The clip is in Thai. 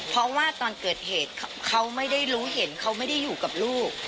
เพราะว่าตอนเกิดเหตุเขาไม่ได้รู้เห็นเขาไม่ได้อยู่กับลูก